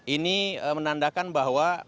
ini menandakan bahwa